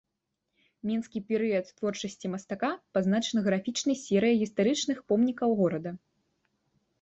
Менскі перыяд творчасці мастака пазначаны графічнай серыяй гістарычных помнікаў горада.